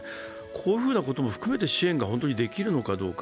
こういうことも含めて支援が本当にできるのかどうか。